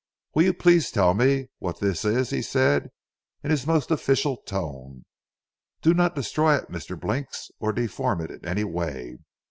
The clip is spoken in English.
"Will you please to tell me what this is?" he said in his most official tone. "Do not destroy it Mr. Blinks, or deform it in any way.